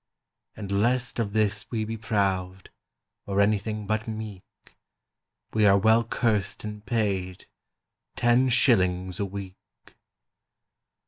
"And lest of this we be proud Or anything but meek, We are well cursed and paid— Ten shillings a week!"